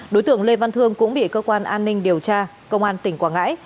đối tượng lê văn thương cũng bị cơ quan an ninh điều tra công an tỉnh quảng ngãi